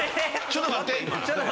ちょっと待って！